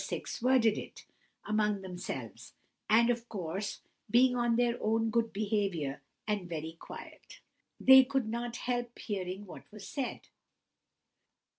6 worded it, among themselves; and, of course, being on their own good behaviour, and very quiet, they could not help hearing what was said.